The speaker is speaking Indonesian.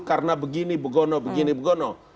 karena begini begono begini begono